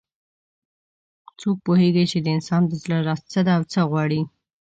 څوک پوهیږي چې د انسان د زړه راز څه ده او څه غواړي